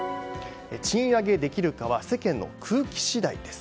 賃上げできるかは世間の空気次第です。